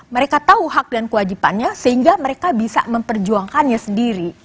mereka tahu hak dan kewajibannya sehingga mereka bisa memperjuangkannya sendiri